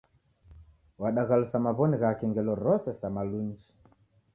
Wadaghalusa maw'oni ghake ngelo rose sa malunji